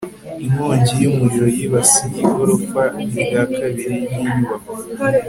inkongi y'umuriro yibasiye igorofa rya kabiri ry'inyubako